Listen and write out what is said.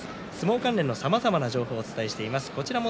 相撲関連のさまざまな情報も載せています。